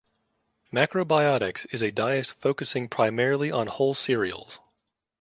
Macrobiotics is a diet focusing primarily on whole cereals.